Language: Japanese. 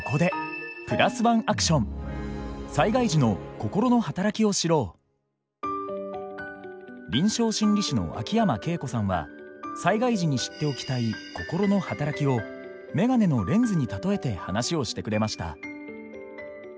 そこで臨床心理士の秋山恵子さんは災害時に知っておきたい心の働きを眼鏡のレンズに例えて話をしてくれました。